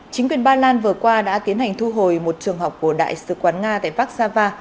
chính quyền ba lan vừa qua đã tiến hành thu hồi một trường học của đại sứ quán nga tại vác sa va